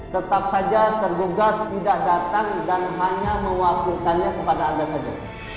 tetap saja tergugat tidak datang dan hanya mewakilkannya kepada anda saja